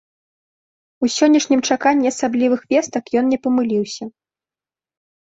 У сённяшнім чаканні асаблівых вестак ён не памыліўся.